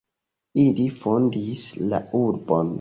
Ili fondis la urbon.